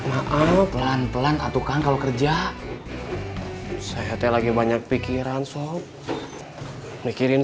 tetap rajin maaf pelan pelan atuh kang kalau kerja saya teh lagi banyak pikiran sob mikirin